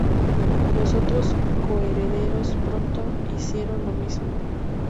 Los otros co-herederos pronto hicieron lo mismo.